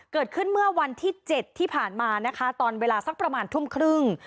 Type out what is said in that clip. เกิดขึ้นเมื่อวันที่๗ที่ผ่านมานะคะตอนเวลาสักประมาณทุ่มครึ่ง